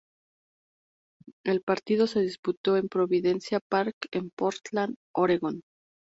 El partido se disputó en el Providence Park en Portland, Oregón.